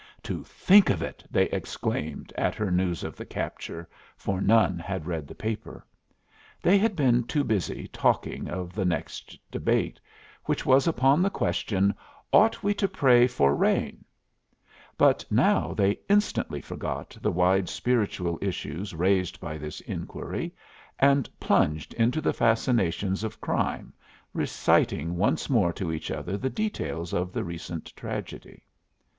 "To think of it!" they exclaimed, at her news of the capture, for none had read the paper. They had been too busy talking of the next debate, which was upon the question, "Ought we to pray for rain?" But now they instantly forgot the wide spiritual issues raised by this inquiry, and plunged into the fascinations of crime, reciting once more to each other the details of the recent tragedy.